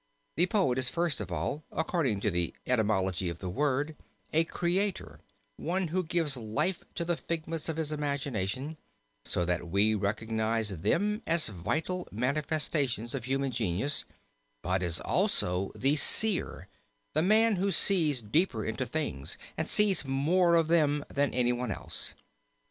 The poet is first of all according to the etymology of the word a creator, one who gives life to the figments of his imagination so that we recognize them as vital manifestations of human genius, but is also the seer, the man who sees deeper into things and sees more of them than anyone else.